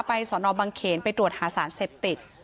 สอนอบังเขนไปตรวจหาสารเสพติด